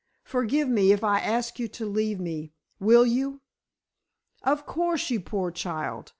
Forgive me, if I ask you to leave me—will you?" "Of course, you poor child!